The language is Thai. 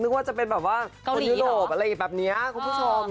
ว่าจะเป็นแบบว่าคนยุโรปอะไรแบบนี้คุณผู้ชม